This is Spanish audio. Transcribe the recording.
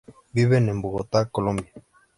Viven en Bogotá, Colombia.